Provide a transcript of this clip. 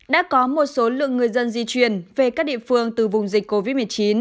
đã có một số lượng người dân di chuyển về các địa phương từ vùng dịch covid một mươi chín